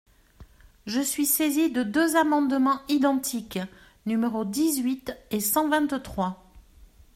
Je suis saisi de deux amendements identiques, numéros dix-huit et cent vingt-trois.